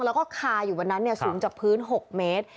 แล้วก็คาอยู่บนนั้นสูงจากพื้น๖เมตร